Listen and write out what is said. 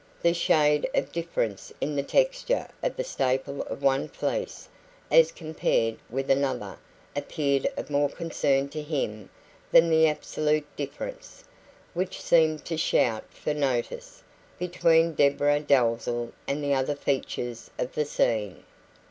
The shade of difference in the texture of the staple of one fleece as compared with another appeared of more concern to him than the absolute difference, which seemed to shout for notice, between Deborah Dalzell and the other features of the scene.